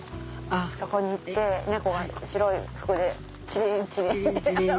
そこに行って猫が白い服でチリンチリン。